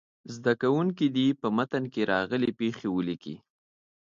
زده کوونکي دې په متن کې راغلې پيښې ولیکي.